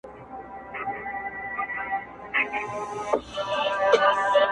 که سبا ستاسې د دې بې بصیرته